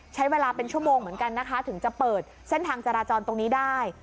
ใช้เวลาเป็นชั่วโมงเหมือนกันนะคะถึงจะเปิดเส้นทางจราจรตรงนี้ได้